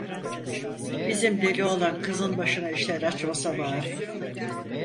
"Bizim deli oğlan kızın başına işler açmasa bari!